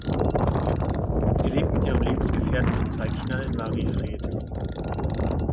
Sie lebt mit ihrem Lebensgefährten und zwei Kindern in Mariefred.